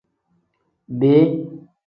Bii.